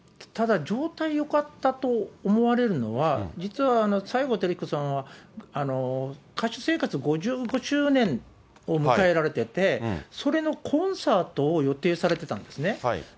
ただ、状態よかったと思われるのは、実は西郷輝彦さんは、歌手生活５５周年を迎えられてて、それのコンサートを予定されてたんですね。